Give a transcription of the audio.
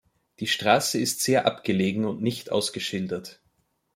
Die Straße ist sehr abgelegen und nicht ausgeschildert.